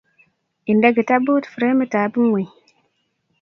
Inde kitabut framit ab ngweny